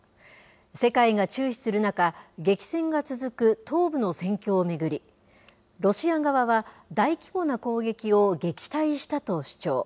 世界が注視する中、激戦が続く東部の戦況を巡り、ロシア側は大規模な攻撃を撃退したと主張。